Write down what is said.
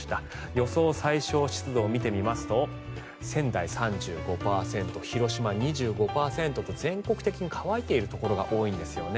予想最小湿度を見てみますと仙台、３５％広島、２５％と全国的に乾いているところが多いんですよね。